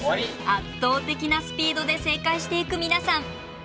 圧倒的なスピードで正解していく皆さん。